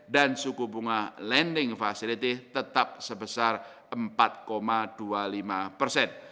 dan suku bunga lending facility tetap sebesar empat dua puluh lima persen